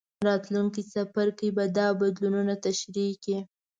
راتلونکی څپرکی به دا بدلونونه تشریح کړي.